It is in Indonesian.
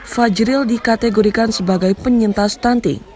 fajril dikategorikan sebagai penyintas stunting